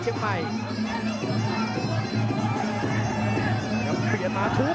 หนีไม่ออกนะครับ